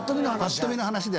ぱっと見の話で。